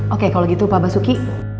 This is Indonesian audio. oke kalau gitu pak basuki